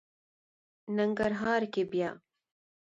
ننګرهار کې بیا...